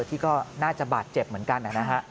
ที่ก็น่าจะบาดเจ็บเหมือนกันนะฮะ